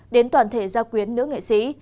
đến toàn thể gia quyến nữ nghệ sĩ